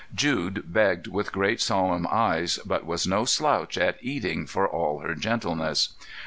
Jude begged with great solemn eyes but was no slouch at eating for all her gentleness.